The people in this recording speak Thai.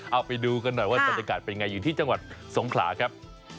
เอาไปดูกันหน่อยว่าบรรยากาศเป็นไงอยู่ที่จังหวัดสงขลาครับ